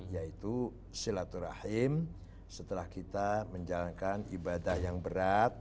yaitu silaturahim setelah kita menjalankan ibadah yang berat